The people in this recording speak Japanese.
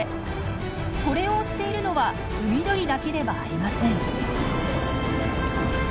これを追っているのは海鳥だけではありません。